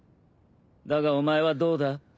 だがお前はどうだ？